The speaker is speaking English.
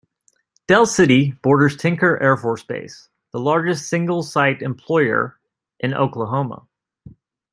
Del City borders Tinker Air Force Base, the largest single-site employer in Oklahoma.